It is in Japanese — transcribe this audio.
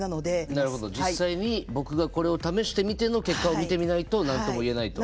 なるほど実際に僕がこれを試してみての結果を見てみないと何とも言えないと。